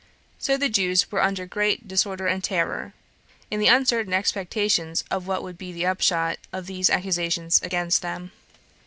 So the Jews were under great disorder and terror, in the uncertain expectations of what would be the upshot of these accusations against them.